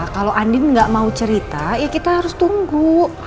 kalo andien gak mau cerita ya kita harus tunggu